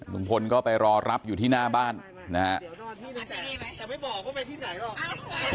ลุงพลก็ไปรอรับอยู่ที่หน้าบ้านนะฮะ